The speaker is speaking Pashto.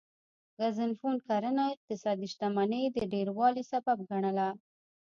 ګزنفون کرنه د اقتصادي شتمنۍ د ډیروالي سبب ګڼله